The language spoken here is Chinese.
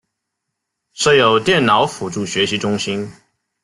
设有电脑辅助学习中心。